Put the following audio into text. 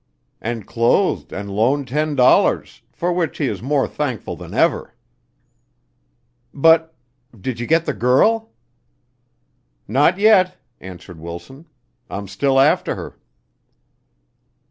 "And clothed and loaned ten dollars, for which he is more thankful than ever." "But did you get the girl?" "Not yet," answered Wilson. "I'm still after her."